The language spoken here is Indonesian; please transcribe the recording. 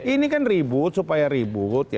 ini kan ribut supaya ribut